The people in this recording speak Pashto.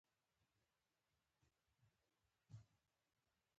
د هرات په شینډنډ کې د مالګې نښې شته.